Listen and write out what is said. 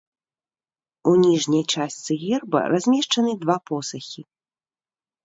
У ніжняй частцы герба размешчаны два посахі.